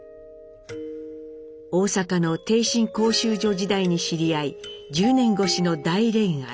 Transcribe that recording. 大阪の逓信講習所時代に知り合い１０年越しの大恋愛。